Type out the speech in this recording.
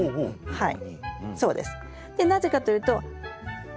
はい。